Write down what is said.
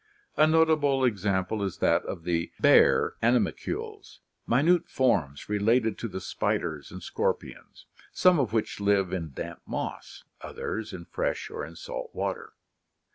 A notable example is that of the bear animalcules, minute forms related to the spiders and scorpions, some of which live in damp moss, others in fresh or in salt water.